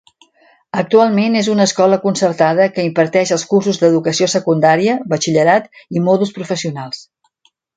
Actualment és una escola concertada que imparteix els cursos d'educació secundària, batxillerat i mòduls professionals.